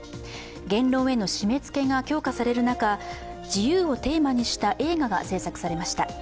言論への締めつけが強化される中、自由をテーマにした映画が製作されました。